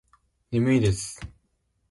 眠いです。